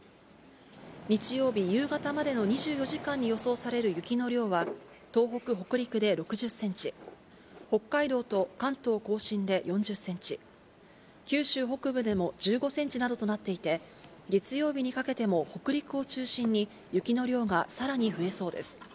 日曜日夕方までの２４時間に予想される雪の量は、東北、北陸で６０センチ、北海道と関東甲信で４０センチ、九州北部でも１５センチなどとなっていて、月曜日にかけても北陸を中心に雪の量がさらに増えそうです。